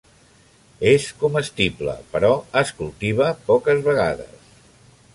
És comestible, però es cultiva poques vegades.